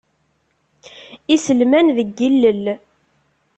Iselman deg yilel.